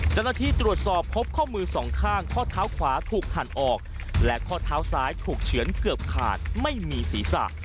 เจ้าหน้าที่ตรวจสอบพบข้อมือสองข้างข้อเท้าขวาถูกหั่นออกและข้อเท้าซ้ายถูกเฉือนเกือบขาดไม่มีศีรษะ